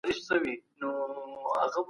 د ژوند حق د انسانیت بنسټ دی.